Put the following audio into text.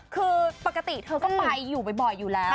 คือปกติเธอก็ไปอยู่บ่อยอยู่แล้ว